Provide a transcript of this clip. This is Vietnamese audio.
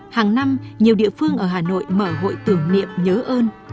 hàng năm nhiều địa phương ở hà nội mở hội tưởng niệm nhớ ơn